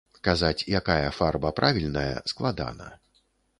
Казаць, якая фарба правільная, складана.